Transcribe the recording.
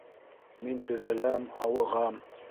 Мин төҙәләм, һауығам